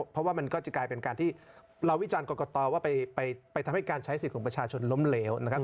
เพราะว่ามันก็จะกลายเป็นการที่เราวิจารณ์กรกตว่าไปทำให้การใช้สิทธิ์ของประชาชนล้มเหลวนะครับ